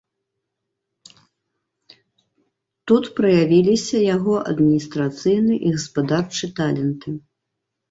Тут праявіліся яго адміністрацыйны і гаспадарчы таленты.